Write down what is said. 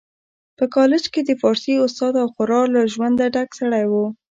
په کالج کي د فارسي استاد او خورا له ژونده ډک سړی و